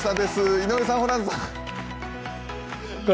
井上さん、ホランさん。